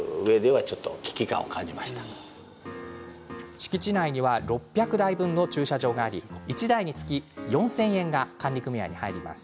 敷地内には６００台分の駐車場があり１台につき４０００円が管理組合に入ります。